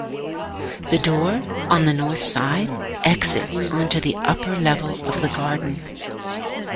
The door, on the north side, exits onto the upper level of the garden.